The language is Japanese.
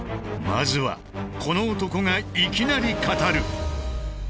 まずはこの男がいきなり語る。